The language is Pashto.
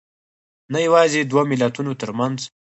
نه یوازې دوو ملتونو تر منځ